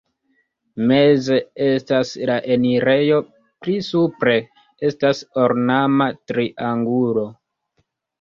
Meze estas la enirejo, pli supre estas ornama triangulo.